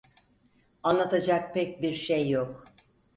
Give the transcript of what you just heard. Anlatacak pek bir şey yok.